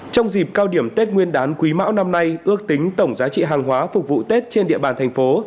trong dịp cao điểm tết nguyên đán quý mão năm nay ước tính tổng giá trị hàng hóa phục vụ tết trên địa bàn thành phố